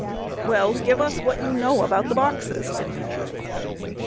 Q. Well, give us what you know about the boxes?